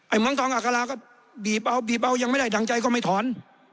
เมืองทองอัคราก็บีบเอาบีบเอายังไม่ได้ดั่งใจก็ไม่ถอน